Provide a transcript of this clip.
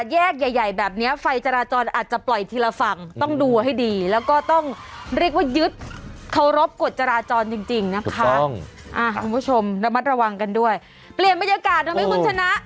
แยกใหญ่ใหญ่แบบนี้ไฟจราจรอาจจะปล่อยทีละฝั่งต้องดูให้ดีแล้วก็ต้องเรียกว่ายึดเคารพกฎจราจรจริงนะคะคุณผู้ชมระมัดระวังกันด้วยเปลี่ยนบรรยากาศทำให้คุณชนะ